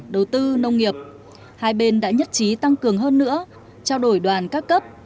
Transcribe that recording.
đầu tư nông nghiệp hai bên đã nhất trí tăng cường hơn nữa trao đổi đoàn các cấp